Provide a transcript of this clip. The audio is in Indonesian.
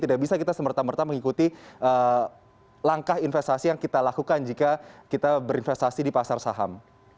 tidak bisa kita semerta merta mengikuti langkah investasi yang kita lakukan jika kita berinvestasi di pasar saham